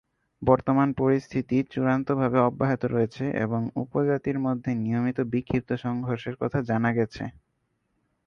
বর্তমান পরিস্থিতি চূড়ান্তভাবে অব্যাহত রয়েছে এবং উপজাতির মধ্যে নিয়মিত বিক্ষিপ্ত সংঘর্ষের কথা জানা গেছে।